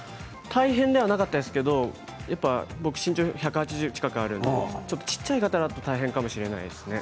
大変ではなかったですけど僕身長が１８０近くあるので小さい方だと大変かもしれないですね。